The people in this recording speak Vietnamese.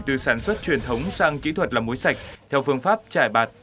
từ sản xuất truyền thống sang kỹ thuật làm mối sạch theo phương pháp trải bạt